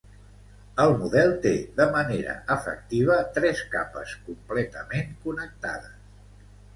El model té de manera efectiva tres capes completament connectades.